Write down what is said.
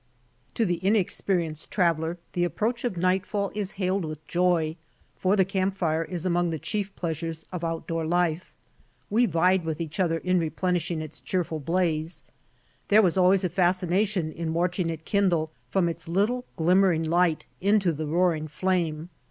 To THE inexperienced traveler the approach of nightfall is hailed with joy, for the camp fire is among the chief pleasures of out door life. We vied with each other in replenishing its cheerful blaze. There was always a fascination in watching it kindle from its little glimmering light into the roaring flame.